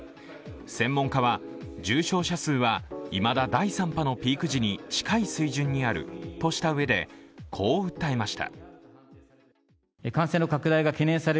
専門家は重症者数はいまだ第３波のピーク時に近い水準にあるとしたうえで、こう訴えました。